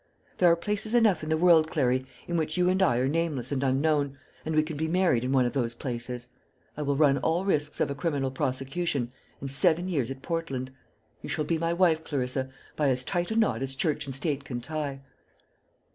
There are places enough in the world, Clary, in which you and I are nameless and unknown, and we can be married in one of those places. I will run all risks of a criminal prosecution and seven years at Portland. You shall be my wife, Clarissa, by as tight a knot as Church and State can tie."